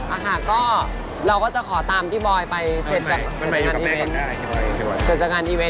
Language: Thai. อ่าค่ะก็เราก็จะขอตามพี่บอยไปเสร็จการ